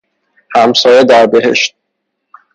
همسایه در بﮩشت